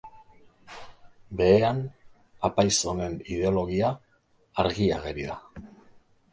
Behean, apaiz honen ideologia argi ageri da.